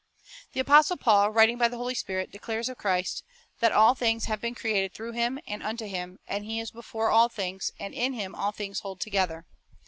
2 The apostle Paul, writing by the Holy Spirit, declares of Christ that "all things have been created through Him, and unto Him; and He is before all things, and in Him all things hold together."